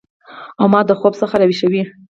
او ما د خوب څخه راویښوي